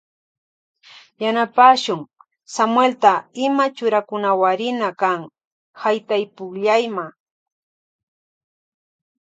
Yanapashun Samuelta ima churakunawarina kan haytaypukllayma.